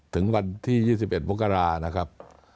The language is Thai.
ถึงวันที่๒๑มกรานะครับ